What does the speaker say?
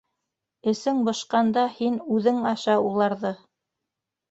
Әсең бошҡанда, һин үҙең аша уларҙы.